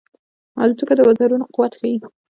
الوتکه د وزرونو قوت ښيي.